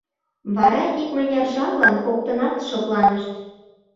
Вара икмыняр жаплан коктынат шыпланышт.